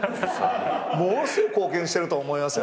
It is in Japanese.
ものすごい貢献してると思いますよね。